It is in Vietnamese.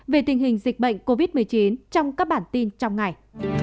về tình hình dịch bệnh covid một mươi chín trong các bản tin trong ngày